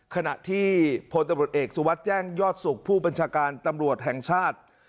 ขณะที่พลตำรวจเอกสุวัสดิ์แจ้งยอดสุขผู้บัญชาการตำรวจแห่งชาติ